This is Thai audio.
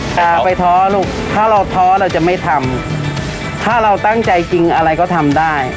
จะไปท้อลูกถ้าเราท้อเราจะไม่ทำถ้าเราตั้งใจจริงอะไรก็ทำได้